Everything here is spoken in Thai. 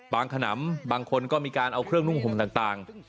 ขนำบางคนก็มีการเอาเครื่องนุ่งห่มต่าง